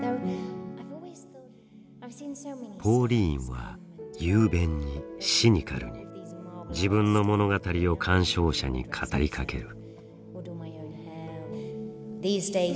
「ＰＡＵＬＩＮＥ」は雄弁にシニカルに自分の物語を鑑賞者に語りかける。